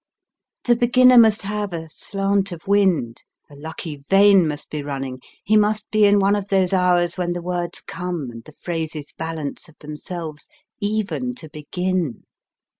The beginner must have a slant of wind, a lucky vein must be running, he must be in one of those hours when the words come and the phrases balance of themselves even to begin.